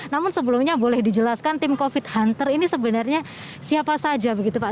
namun sebelumnya boleh dijelaskan tim covid hunter ini sebenarnya siapa saja begitu pak